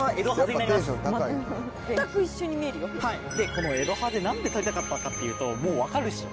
このエドハゼ何で捕りたかったかっていうともう分かるっしょ？